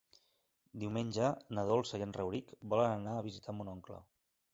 Diumenge na Dolça i en Rauric volen anar a visitar mon oncle.